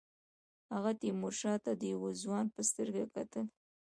هغه تیمورشاه ته د یوه ځوان په سترګه کتل.